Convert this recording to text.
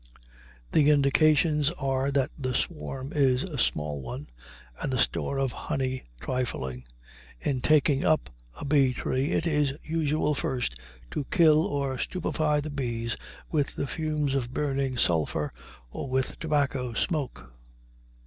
The indications are that the swarm is a small one, and the store of honey trifling. In "taking up" a bee tree it is usual first to kill or stupefy the bees with the fumes of burning sulphur or with tobacco smoke.